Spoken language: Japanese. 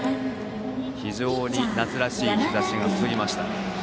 非常に夏らしい日ざしが注ぎました。